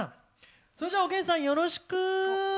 それじゃあおげんさんよろしく！